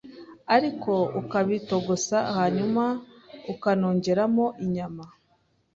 ariko ukabitogosa hanyuma ukanongeramo n’inyama